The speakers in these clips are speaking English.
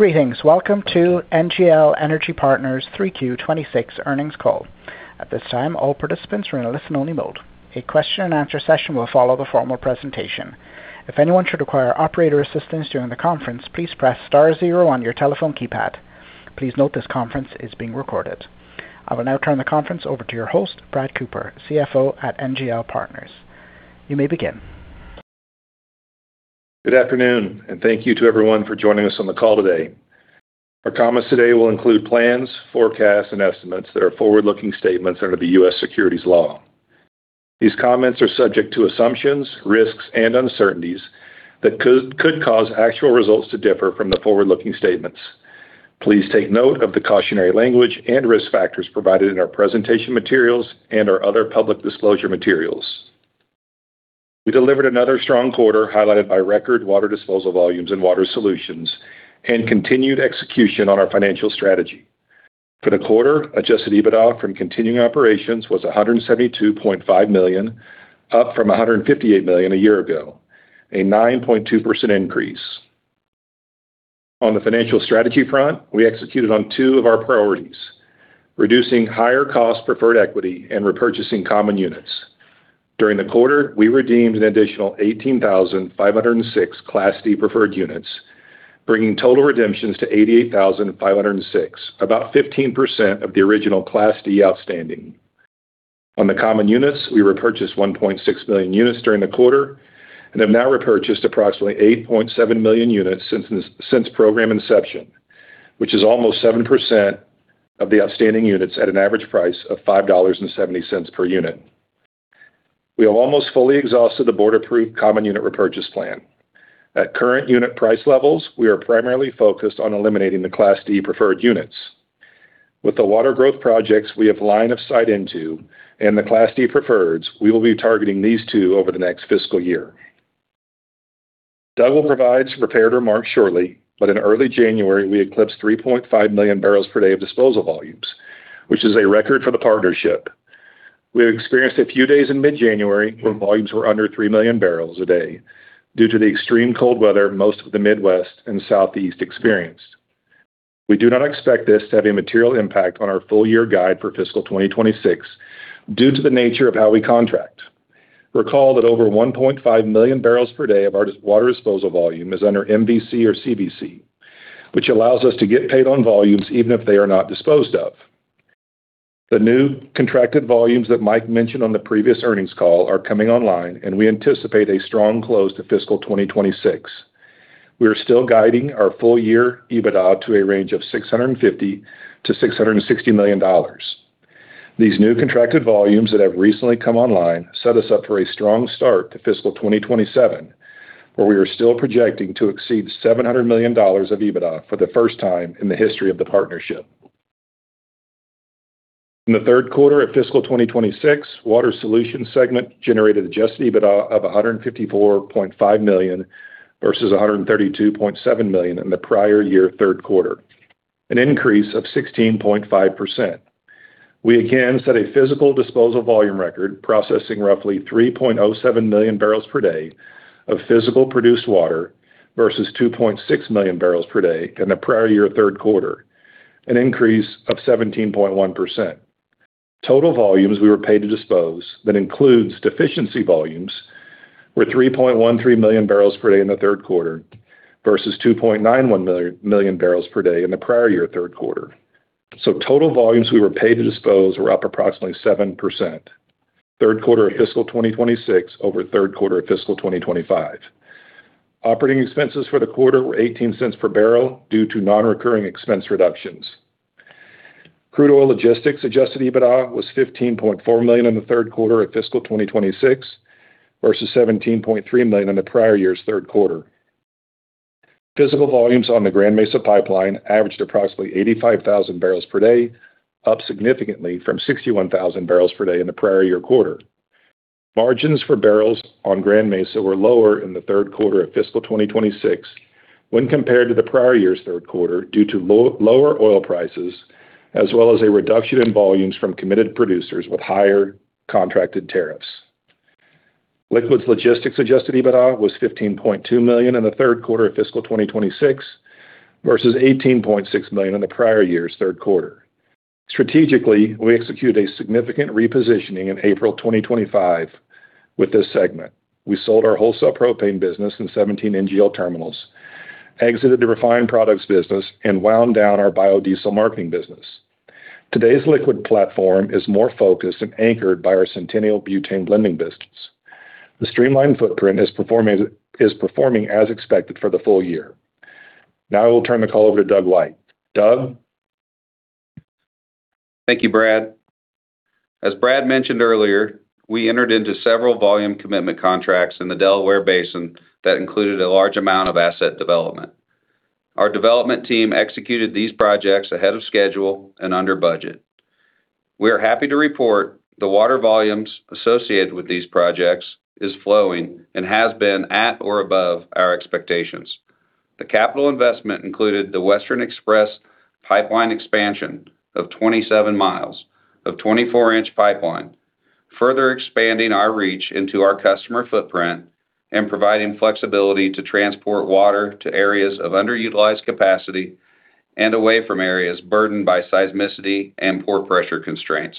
Greetings. Welcome to NGL Energy Partners 3Q 2026 earnings call. At this time, all participants are in a listen-only mode. A question-and-answer session will follow the formal presentation. If anyone should require operator assistance during the conference, please press star zero on your telephone keypad. Please note this conference is being recorded. I will now turn the conference over to your host, Brad Cooper, CFO at NGL Partners. You may begin. Good afternoon, and thank you to everyone for joining us on the call today. Our comments today will include plans, forecasts, and estimates that are forward-looking statements under the U.S. securities law. These comments are subject to assumptions, risks, and uncertainties that could cause actual results to differ from the forward-looking statements. Please take note of the cautionary language and risk factors provided in our presentation materials and our other public disclosure materials. We delivered another strong quarter highlighted by record water disposal volumes and water solutions, and continued execution on our financial strategy. For the quarter, adjusted EBITDA from continuing operations was $172.5 million, up from $158 million a year ago, a 9.2% increase. On the financial strategy front, we executed on two of our priorities: reducing higher cost preferred equity and repurchasing common units. During the quarter, we redeemed an additional 18,506 Class D Preferred Units, bringing total redemptions to 88,506, about 15% of the original Class D outstanding. On the Common Units, we repurchased 1.6 million units during the quarter and have now repurchased approximately 8.7 million units since program inception, which is almost 7% of the outstanding units at an average price of $5.70 per unit. We have almost fully exhausted the board-approved common unit repurchase plan. At current unit price levels, we are primarily focused on eliminating the Class D Preferred Units. With the water growth projects we have line of sight into and the Class D preferreds, we will be targeting these two over the next fiscal year. Doug will provide some prepared remarks shortly, but in early January, we eclipsed 3.5 million barrels per day of disposal volumes, which is a record for the partnership. We experienced a few days in mid-January where volumes were under 3 million barrels a day due to the extreme cold weather most of the Midwest and Southeast experienced. We do not expect this to have a material impact on our full-year guide for fiscal 2026 due to the nature of how we contract. Recall that over 1.5 million barrels per day of our water disposal volume is under MVC or CVC, which allows us to get paid on volumes even if they are not disposed of. The new contracted volumes that Mike mentioned on the previous earnings call are coming online, and we anticipate a strong close to fiscal 2026. We are still guiding our full-year EBITDA to a range of $650 million-$660 million. These new contracted volumes that have recently come online set us up for a strong start to fiscal 2027, where we are still projecting to exceed $700 million of EBITDA for the first time in the history of the partnership. In the third quarter of fiscal 2026, Water Solutions segment generated Adjusted EBITDA of $154.5 million versus $132.7 million in the prior-year third quarter, an increase of 16.5%. We again set a physical disposal volume record processing roughly 3.07 million barrels per day of physical produced water versus 2.6 million barrels per day in the prior-year third quarter, an increase of 17.1%. Total volumes we were paid to dispose that includes deficiency volumes were 3.13 million barrels per day in the third quarter versus 2.91 million barrels per day in the prior-year third quarter. So total volumes we were paid to dispose were up approximately 7% third quarter of fiscal 2026 over third quarter of fiscal 2025. Operating expenses for the quarter were $0.18 per barrel due to non-recurring expense reductions. Crude Oil Logistics Adjusted EBITDA was $15.4 million in the third quarter of fiscal 2026 versus $17.3 million in the prior-year's third quarter. Physical volumes on the Grand Mesa Pipeline averaged approximately 85,000 barrels per day, up significantly from 61,000 barrels per day in the prior-year quarter. Margins for barrels on Grand Mesa were lower in the third quarter of fiscal 2026 when compared to the prior-year's third quarter due to lower oil prices as well as a reduction in volumes from committed producers with higher contracted tariffs. Liquids Logistics Adjusted EBITDA was $15.2 million in the third quarter of fiscal 2026 versus $18.6 million in the prior-year's third quarter. Strategically, we executed a significant repositioning in April 2025 with this segment. We sold our wholesale propane business in 17 NGL terminals, exited the refined products business, and wound down our biodiesel marketing business. Today's liquid platform is more focused and anchored by our Centennial butane blending business. The streamlined footprint is performing as expected for the full-year. Now I will turn the call over to Doug White. Doug? Thank you, Brad. As Brad mentioned earlier, we entered into several volume commitment contracts in the Delaware Basin that included a large amount of asset development. Our development team executed these projects ahead of schedule and under budget. We are happy to report the water volumes associated with these projects is flowing and has been at or above our expectations. The capital investment included the Western Express Pipeline expansion of 27 miles of 24-inch pipeline, further expanding our reach into our customer footprint and providing flexibility to transport water to areas of underutilized capacity and away from areas burdened by seismicity and pore pressure constraints.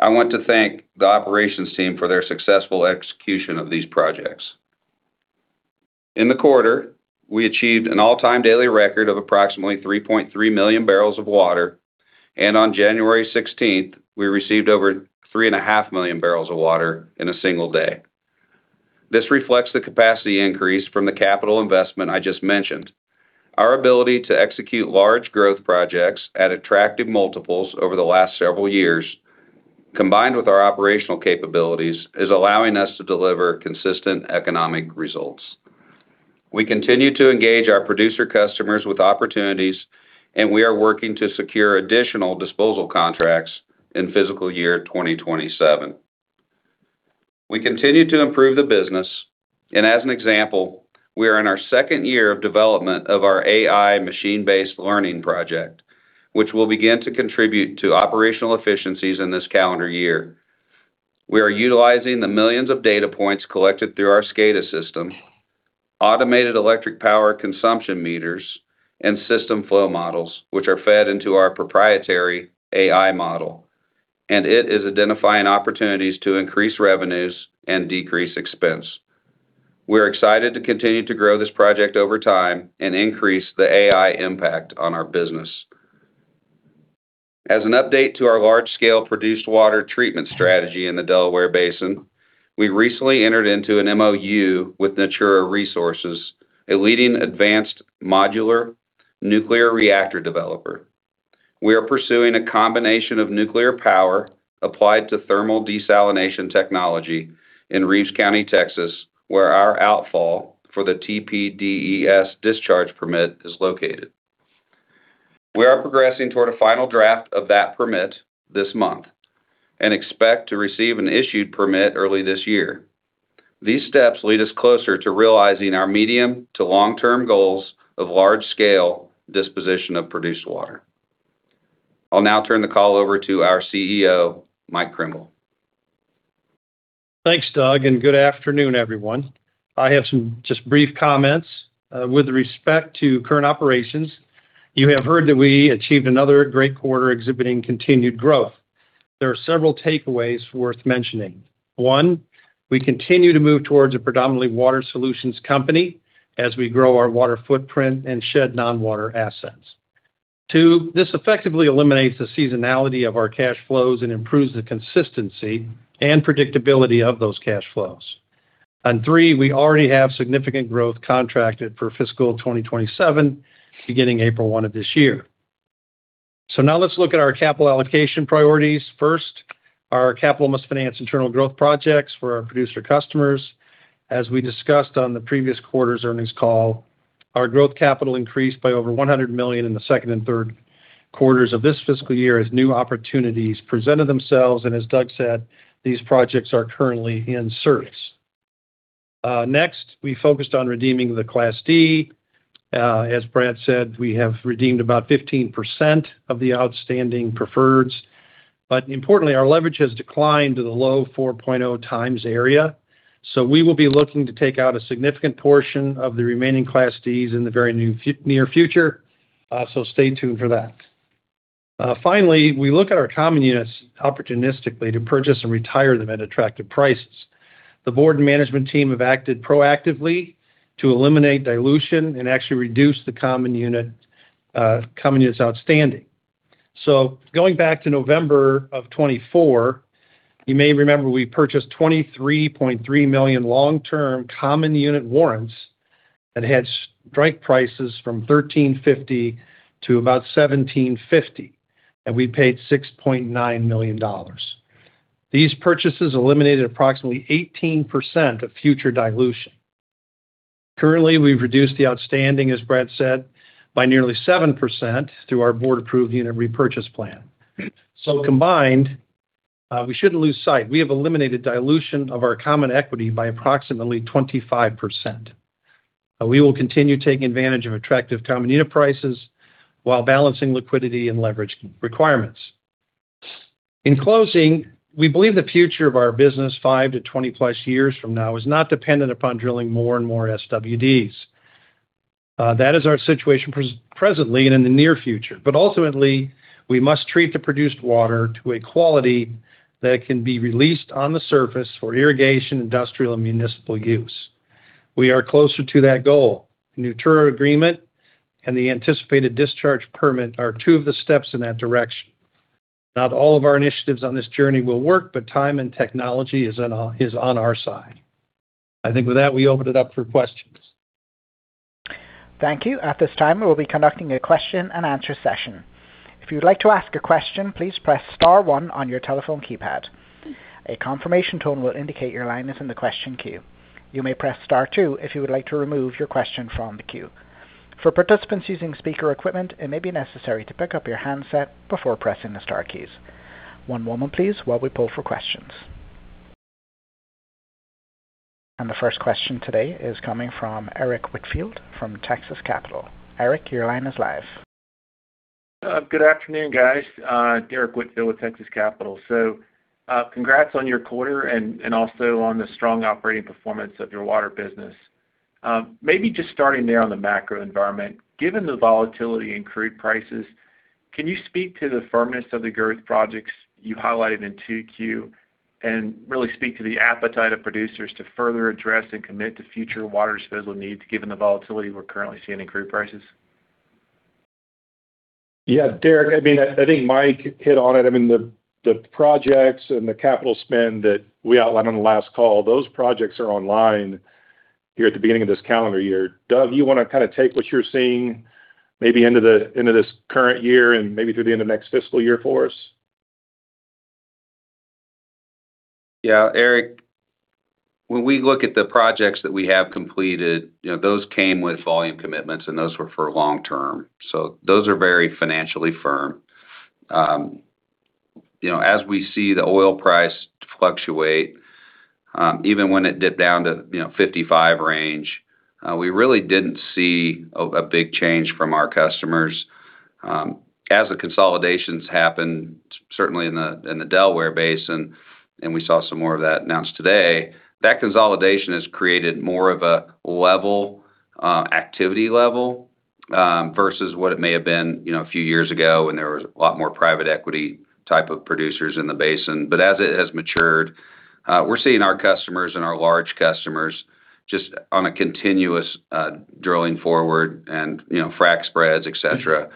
I want to thank the operations team for their successful execution of these projects. In the quarter, we achieved an all-time daily record of approximately 3.3 million barrels of water, and on January 16th, we received over 3.5 million barrels of water in a single day. This reflects the capacity increase from the capital investment I just mentioned. Our ability to execute large growth projects at attractive multiples over the last several years, combined with our operational capabilities, is allowing us to deliver consistent economic results. We continue to engage our producer customers with opportunities, and we are working to secure additional disposal contracts in fiscal year 2027. We continue to improve the business, and as an example, we are in our second year of development of our AI machine-based learning project, which will begin to contribute to operational efficiencies in this calendar year. We are utilizing the millions of data points collected through our SCADA system, automated electric power consumption meters, and system flow models, which are fed into our proprietary AI model, and it is identifying opportunities to increase revenues and decrease expense. We are excited to continue to grow this project over time and increase the AI impact on our business. As an update to our large-scale produced water treatment strategy in the Delaware Basin, we recently entered into an MOU with Natura Resources, a leading advanced modular nuclear reactor developer. We are pursuing a combination of nuclear power applied to thermal desalination technology in Reeves County, Texas, where our outfall for the TPDES discharge permit is located. We are progressing toward a final draft of that permit this month and expect to receive an issued permit early this year. These steps lead us closer to realizing our medium to long-term goals of large-scale disposition of produced water. I'll now turn the call over to our CEO, Mike Krimbill. Thanks, Doug, and good afternoon, everyone. I have some just brief comments. With respect to current operations, you have heard that we achieved another great quarter exhibiting continued growth. There are several takeaways worth mentioning. One, we continue to move towards a predominantly water solutions company as we grow our water footprint and shed non-water assets. Two, this effectively eliminates the seasonality of our cash flows and improves the consistency and predictability of those cash flows. Three, we already have significant growth contracted for fiscal 2027 beginning April 1 of this year. Now let's look at our capital allocation priorities. First, our capital must finance internal growth projects for our producer customers. As we discussed on the previous quarter's earnings call, our growth capital increased by over $100 million in the second and third quarters of this fiscal year as new opportunities presented themselves. As Doug said, these projects are currently in service. Next, we focused on redeeming the Class D. As Brad said, we have redeemed about 15% of the outstanding preferreds. But importantly, our leverage has declined to the low 4.0 times area. So we will be looking to take out a significant portion of the remaining Class Ds in the very near future. So stay tuned for that. Finally, we look at our common units opportunistically to purchase and retire them at attractive prices. The board and management team have acted proactively to eliminate dilution and actually reduce the common units outstanding. So going back to November of 2024, you may remember we purchased 23.3 million long-term common unit warrants that had strike prices from 1,350 to about 1,750, and we paid $6.9 million. These purchases eliminated approximately 18% of future dilution. Currently, we've reduced the outstanding, as Brad said, by nearly 7% through our board-approved unit repurchase plan. So combined, we shouldn't lose sight. We have eliminated dilution of our common equity by approximately 25%. We will continue taking advantage of attractive common unit prices while balancing liquidity and leverage requirements. In closing, we believe the future of our business 5-20+ years from now is not dependent upon drilling more and more SWDs. That is our situation presently and in the near future. But ultimately, we must treat the produced water to a quality that can be released on the surface for irrigation, industrial, and municipal use. We are closer to that goal. Natura agreement and the anticipated discharge permit are two of the steps in that direction. Not all of our initiatives on this journey will work, but time and technology is on our side. I think with that, we open it up for questions. Thank you. At this time, we will be conducting a question and answer session. If you would like to ask a question, please press star one on your telephone keypad. A confirmation tone will indicate your line is in the question queue. You may press star two if you would like to remove your question from the queue. For participants using speaker equipment, it may be necessary to pick up your handset before pressing the star keys. One moment, please, while we pull for questions. The first question today is coming from Derrick Whitfield from Texas Capital. Derrick, your line is live. Good afternoon, guys. Derrick Whitfield with Texas Capital. So congrats on your quarter and also on the strong operating performance of your water business. Maybe just starting there on the macro environment, given the volatility in crude prices, can you speak to the firmness of the growth projects you highlighted in 2Q and really speak to the appetite of producers to further address and commit to future water disposal needs given the volatility we're currently seeing in crude prices? Yeah, Derrick. I mean, I think Mike hit on it. I mean, the projects and the capital spend that we outlined on the last call, those projects are online here at the beginning of this calendar year. Doug, you want to kind of take what you're seeing maybe into this current year and maybe through the end of next fiscal year for us? Yeah, Derrick, when we look at the projects that we have completed, those came with volume commitments, and those were for long-term. So those are very financially firm. As we see the oil price fluctuate, even when it dipped down to $55 range, we really didn't see a big change from our customers. As the consolidations happened, certainly in the Delaware Basin, and we saw some more of that announced today, that consolidation has created more of a level activity level versus what it may have been a few years ago when there was a lot more private equity type of producers in the basin. But as it has matured, we're seeing our customers and our large customers just on a continuous drilling forward and frac spreads, etc.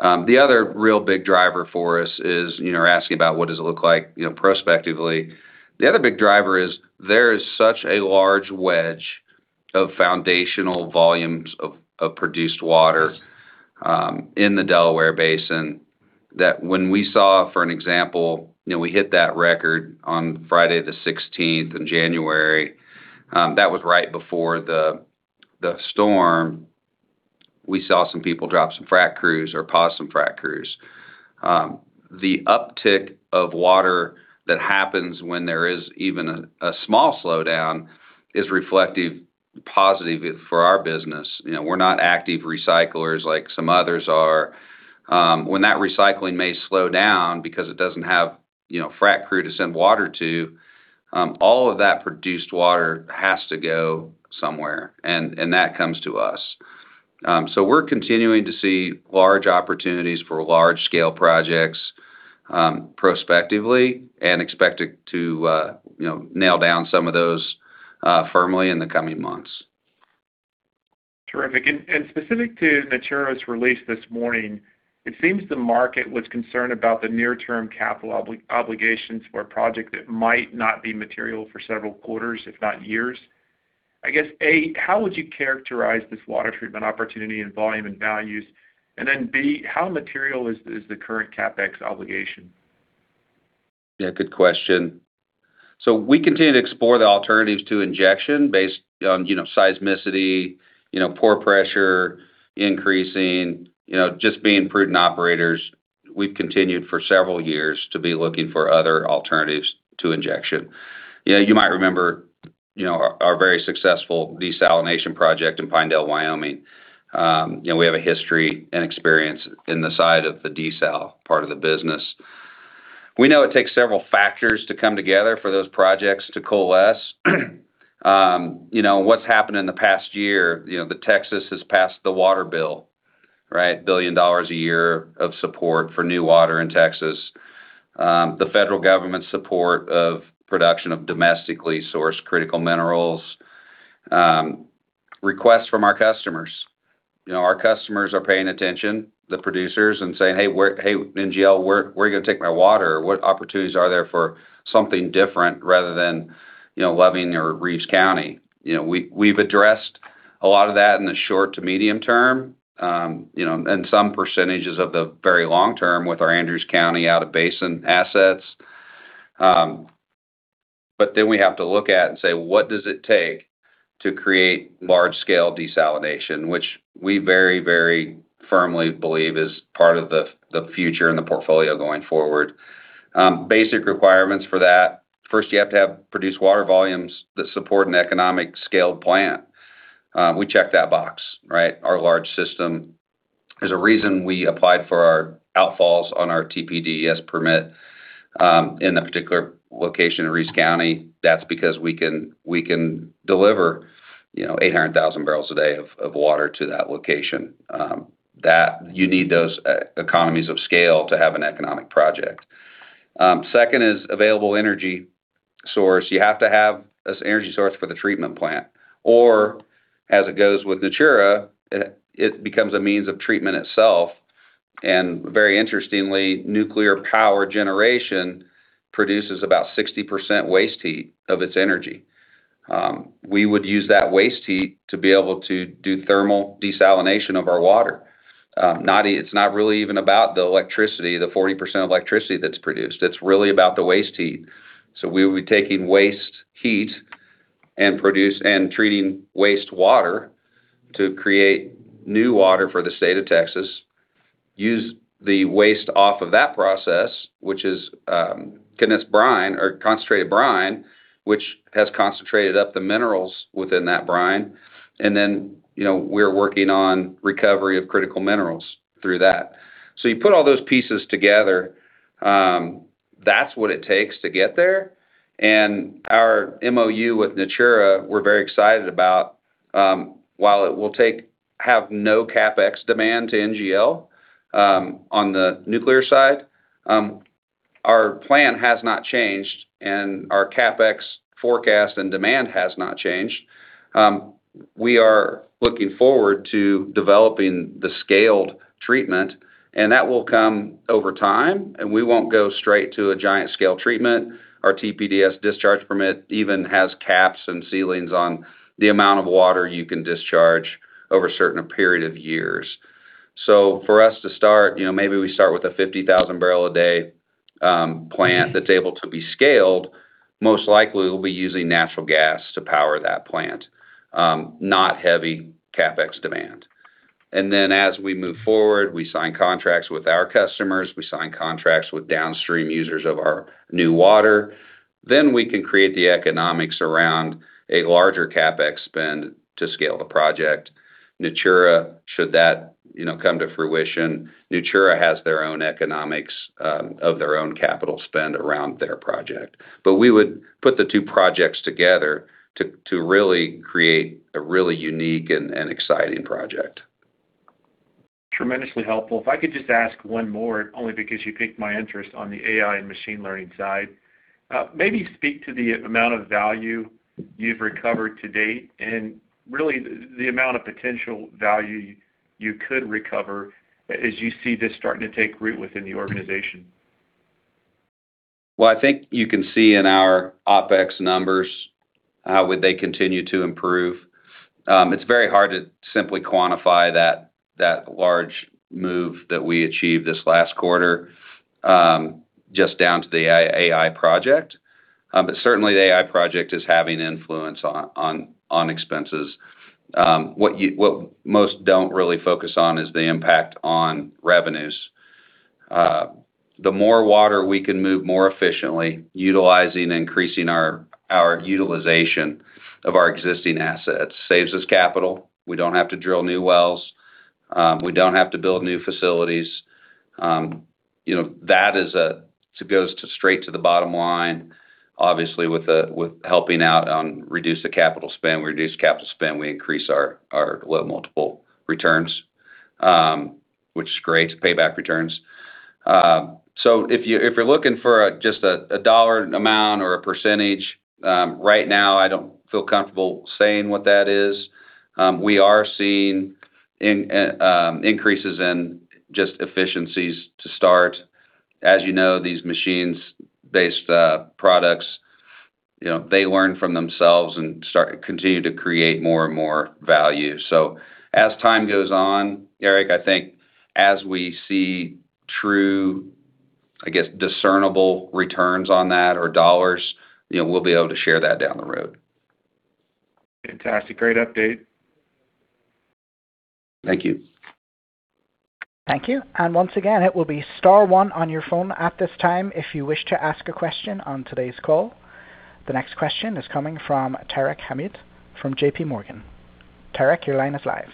The other real big driver for us is asking about what does it look like prospectively. The other big driver is there is such a large wedge of foundational volumes of produced water in the Delaware Basin that when we saw, for an example, we hit that record on Friday the 16th in January. That was right before the storm. We saw some people drop some frac crews or pause some frac crews. The uptick of water that happens when there is even a small slowdown is reflective positive for our business. We're not active recyclers like some others are. When that recycling may slow down because it doesn't have frac crew to send water to, all of that produced water has to go somewhere, and that comes to us. So we're continuing to see large opportunities for large-scale projects prospectively and expect to nail down some of those firmly in the coming months. Terrific. And specific to Natura's release this morning, it seems the market was concerned about the near-term capital obligations for a project that might not be material for several quarters, if not years. I guess, A, how would you characterize this water treatment opportunity in volume and values? And then B, how material is the current CapEx obligation? Yeah, good question. So we continue to explore the alternatives to injection based on seismicity, pore pressure increasing. Just being prudent operators, we've continued for several years to be looking for other alternatives to injection. You might remember our very successful desalination project in Pinedale, Wyoming. We have a history and experience in the side of the desal part of the business. We know it takes several factors to come together for those projects to coalesce. What's happened in the past year? Texas has passed the water bill, right? $1 billion a year of support for new water in Texas. The federal government's support of production of domestically sourced critical minerals. Requests from our customers. Our customers are paying attention, the producers, and saying, "Hey, NGL, where are you going to take my water? What opportunities are there for something different rather than Loving County or Reeves County?" We've addressed a lot of that in the short to medium term and some percentages of the very long term with our Andrews County out-of-basin assets. But then we have to look at and say, "What does it take to create large-scale desalination?" which we very, very firmly believe is part of the future and the portfolio going forward. Basic requirements for that, first, you have to have produced water volumes that support an economic-scaled plant. We check that box, right? Our large system. There's a reason we applied for our outfalls on our TPDES permit in the particular location in Reeves County. That's because we can deliver 800,000 barrels a day of water to that location. You need those economies of scale to have an economic project. Second is available energy source. You have to have an energy source for the treatment plant. Or as it goes with Natura, it becomes a means of treatment itself. Very interestingly, nuclear power generation produces about 60% waste heat of its energy. We would use that waste heat to be able to do thermal desalination of our water. It's not really even about the electricity, the 40% of electricity that's produced. It's really about the waste heat. We would be taking waste heat and treating waste water to create new water for the state of Texas, use the waste off of that process, which is concentrated brine, which has concentrated up the minerals within that brine. Then we're working on recovery of critical minerals through that. You put all those pieces together. That's what it takes to get there. Our MOU with Natura, we're very excited about. While it will have no CapEx demand to NGL on the nuclear side, our plan has not changed, and our CapEx forecast and demand has not changed. We are looking forward to developing the scaled treatment, and that will come over time. We won't go straight to a giant-scale treatment. Our TPDES discharge permit even has caps and ceilings on the amount of water you can discharge over a certain period of years. For us to start, maybe we start with a 50,000-barrel-a-day plant that's able to be scaled. Most likely, we'll be using natural gas to power that plant, not heavy CapEx demand. Then as we move forward, we sign contracts with our customers. We sign contracts with downstream users of our new water. We can create the economics around a larger CapEx spend to scale the project. Natura, should that come to fruition, Natura has their own economics of their own capital spend around their project. But we would put the two projects together to really create a really unique and exciting project. Tremendously helpful. If I could just ask one more, only because you piqued my interest on the AI and machine learning side, maybe speak to the amount of value you've recovered to date and really the amount of potential value you could recover as you see this starting to take root within the organization? Well, I think you can see in our OpEx numbers how would they continue to improve. It's very hard to simply quantify that large move that we achieved this last quarter just down to the AI project. But certainly, the AI project is having influence on expenses. What most don't really focus on is the impact on revenues. The more water we can move more efficiently utilizing and increasing our utilization of our existing assets saves us capital. We don't have to drill new wells. We don't have to build new facilities. That goes straight to the bottom line. Obviously, with helping out on reducing capital spend, we reduce capital spend. We increase our low multiple returns, which is great, payback returns. So if you're looking for just a dollar amount or a percentage, right now, I don't feel comfortable saying what that is. We are seeing increases in just efficiencies to start. As you know, these machine-based products, they learn from themselves and continue to create more and more value. So as time goes on, Derrick, I think as we see true, I guess, discernible returns on that or dollars, we'll be able to share that down the road. Fantastic. Great update. Thank you. Thank you. Once again, it will be star one on your phone at this time if you wish to ask a question on today's call. The next question is coming from Tarek Hamid from J.P. Morgan. Tarek, your line is live.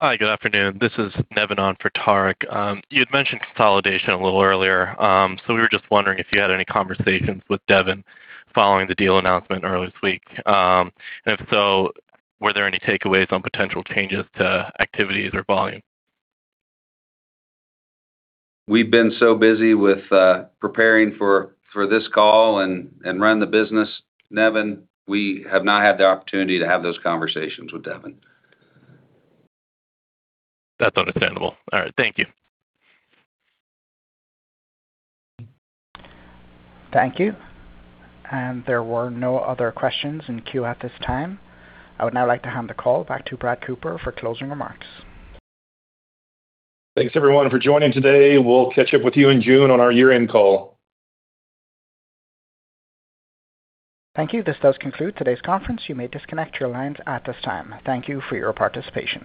Hi, good afternoon. This is Nevin on for Tarek. You had mentioned consolidation a little earlier. We were just wondering if you had any conversations with Devon following the deal announcement earlier this week. And if so, were there any takeaways on potential changes to activities or volume? We've been so busy with preparing for this call and running the business, Nevin, we have not had the opportunity to have those conversations with Devon. That's understandable. All right. Thank you. Thank you. There were no other questions in queue at this time. I would now like to hand the call back to Brad Cooper for closing remarks. Thanks, everyone, for joining today. We'll catch up with you in June on our year-end call. Thank you. This does conclude today's conference. You may disconnect your lines at this time. Thank you for your participation.